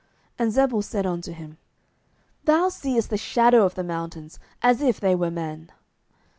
And Zebul said unto him, Thou seest the shadow of the mountains as if they were men.